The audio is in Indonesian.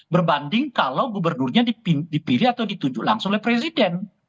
berbanding kalau gubernurnya dipilih atau ditunjuk langsung oleh presiden